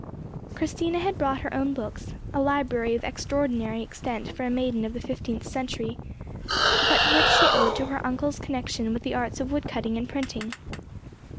Christina had brought her own books—a library of extraordinary extent for a maiden of the fifteenth century, but which she owed to her uncle's connexion with the arts of wood cutting and printing.